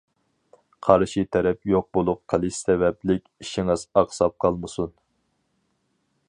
قارشى تەرەپ يوق بولۇپ قېلىش سەۋەبلىك ئىشىڭىز ئاقساپ قالمىسۇن.